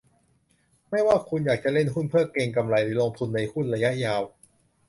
ไม่ว่าคุณอยากจะเล่นหุ้นเพื่อเก็งกำไร หรือลงทุนในหุ้นระยะยาว